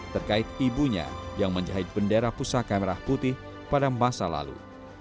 terkait ibunya yang menjahit bendera pusaka merah putih pada masa lalu